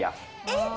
えっ？